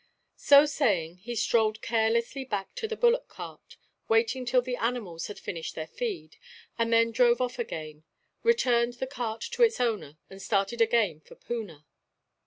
So saying, he strolled carelessly back to the bullock cart, waited till the animals had finished their feed, and then drove off again; returned the cart to its owner, and started again for Poona.